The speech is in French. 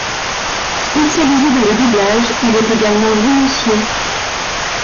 Spécialisé dans le doublage, il est également romancier.